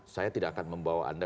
saya tidak akan membawa anda